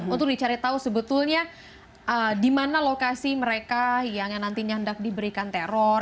untuk dicari tahu sebetulnya di mana lokasi mereka yang nantinya hendak diberikan teror